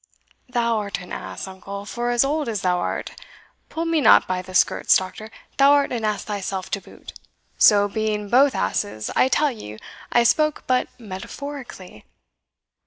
"Thou art an ass, uncle, for as old as thou art. Pull me not by the skirts, doctor, thou art an ass thyself to boot so, being both asses, I tell ye I spoke but metaphorically."